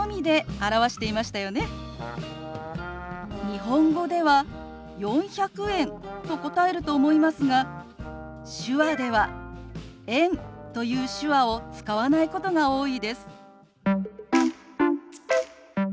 日本語では「４００円」と答えると思いますが手話では「円」という手話を使わないことが多いです。